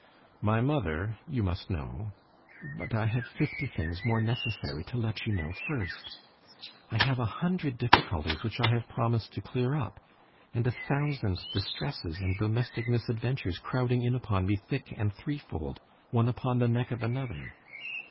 My mother, you must know———but I have fifty things more necessary to let you know first—I have a hundred difficulties which I have promised to clear up, and a thousand distresses and domestick misadventures crowding in upon me thick and threefold, one upon the neck of another.